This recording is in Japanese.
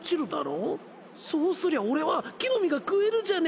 そうすりゃ俺は木の実が食えるじゃねえか